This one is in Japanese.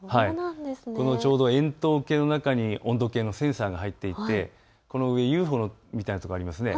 ちょうど円筒形の中に温度計のセンサーが入っていてＵＦＯみたいなとこありますよね。